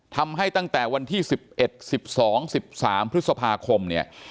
ทำให้ตั้งแต่วันที่๑๑๑๒๑๓พฤษภาคมเนี่ย